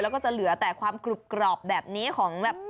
แล้วก็จะเหลือแต่ความกรุบกรอบแบบนี้ของแบบ